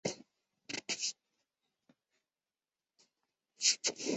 最早的巡回赛是由各赛事的负责机构与国际网球联合会负责。